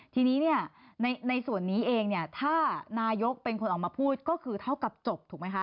ทีนี้เนี่ยในส่วนนี้เองเนี่ยถ้านายกเป็นคนออกมาพูดก็คือเท่ากับจบถูกไหมคะ